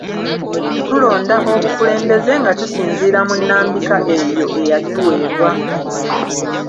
Tulonda obukulembeze nga tusinziira mu nnambika eyo eyatuweebwa